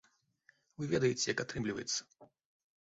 Вы ведаеце, як атрымліваецца.